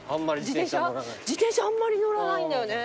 自転車あんまり乗らないんだよね。